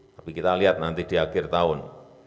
tapi kita lihat nanti di akhir tahun